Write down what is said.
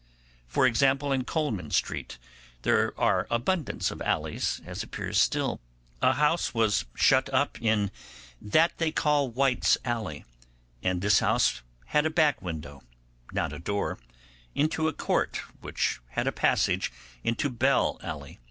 For example, in Coleman Street there are abundance of alleys, as appears still. A house was shut up in that they call White's Alley; and this house had a back window, not a door, into a court which had a passage into Bell Alley.